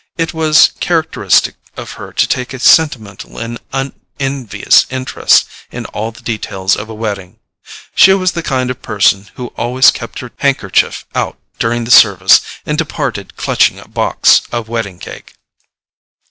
It was characteristic of her to take a sentimental and unenvious interest in all the details of a wedding: she was the kind of person who always kept her handkerchief out during the service, and departed clutching a box of wedding cake.